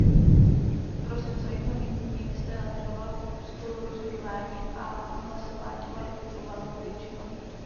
Prosincovým zamítnutím jste eliminoval spolurozhodování a hlasování kvalifikovanou většinou.